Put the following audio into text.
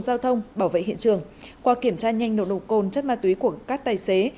giao thông bảo vệ hiện trường qua kiểm tra nhanh nổ nổ côn chất ma túy của các tài xế